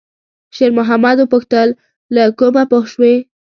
شېرمحمد وپوښتل: «له کومه پوه شوې؟»